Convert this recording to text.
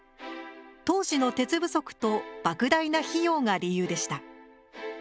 当時の鉄不足と莫大な費用が理由でした。